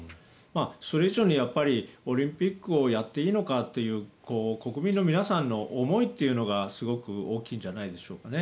それ以上にオリンピックをやっていいのかっていう国民の皆さんの思いというのがすごく大きいんじゃないでしょうかね。